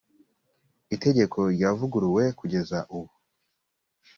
itegeko ryavuguruwe kugeza ubu